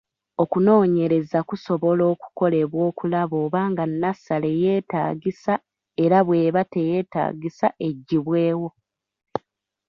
Okunoonyereza kusobola okukolebwa okulaba oba nga nnasale yeetaagisa era bw'eba teyeetaagisa eggyibwewo.